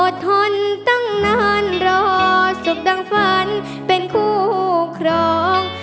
ทนตั้งนานรอสุขดังฝันเป็นคู่ครอง